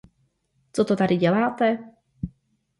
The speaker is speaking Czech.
Co to tady děláte?